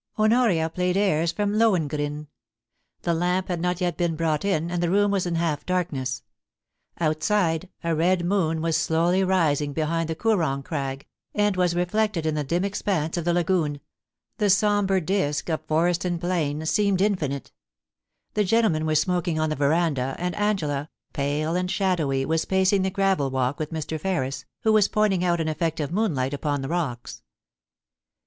Honoria played airs from * Lohengrin.' The lamp had not yet been brought in, and the room was in half darkness. Outside, a red moon was slowly rising behind the Koorong Crag, and was reflected in the dim expanse of the lagoon ; the sombre disk of forest and plain seemed inflnite; the gentlemen were smoking on the veranda, and Angela, pale and shadowy, was pacing the gravel walk with Mr. Ferris, who was pointing out an effect of moonlight upon the rocks.